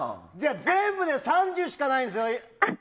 全部で３０しかないんですよ！